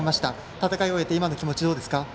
戦いを終えて今の気持ちどうですか？